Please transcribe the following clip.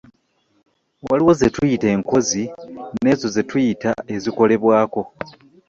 Waliwo ze tuyita enkozi n’ezo ze tuyita ezikolebwako.